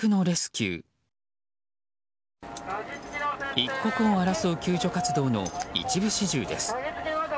一刻を争う救助活動の一部始終です。